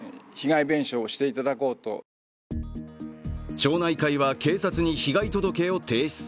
町内会は警察に被害届を提出。